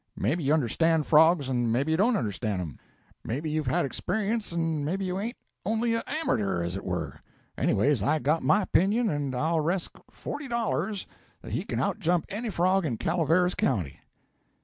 'Maybe you understand frogs and maybe you don't understand 'em; maybe you've had experience, and maybe you ain't only a amature, as it were. Anyways, I've got my opinion, and I'll resk forty dollars that he can outjump any frog in Calaveras County.'